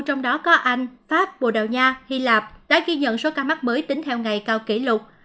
trong đó có anh pháp bồ đào nha hy lạp đã ghi nhận số ca mắc mới tính theo ngày cao kỷ lục